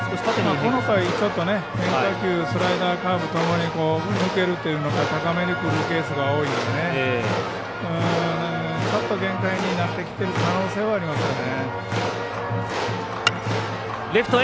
この回、変化球スライダー、カーブともに抜けるというのか高めにくるケースが多いのでちょっと限界になってきてる可能性はありますよね。